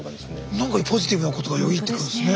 なんかポジティブなことがよぎってくるんですね